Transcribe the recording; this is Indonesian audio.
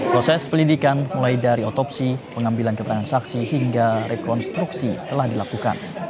proses pelidikan mulai dari otopsi pengambilan keterangan saksi hingga rekonstruksi telah dilakukan